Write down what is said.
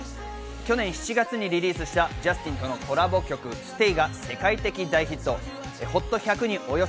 去年７月にリリースしたジャスティンとのコラボ曲『ＳＴＡＹ』が世界的大ヒット。